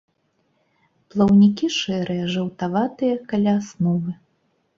Плаўнікі шэрыя, жаўтаватыя кая асновы.